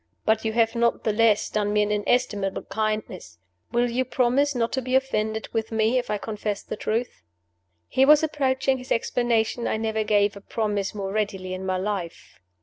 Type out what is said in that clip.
But you have not the less done me an inestimable kindness. Will you promise not to be offended with me if I confess the truth?" He was approaching his explanation I never gave a promise more readily in my life.